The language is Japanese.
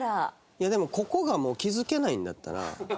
いやでもここがもう気付けないんだったら。